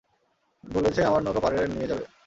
বলেছে আমার নৌকা পাড়ে নিয়ে যাবে।